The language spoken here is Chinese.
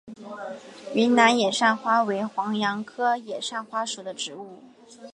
云南野扇花为黄杨科野扇花属的植物。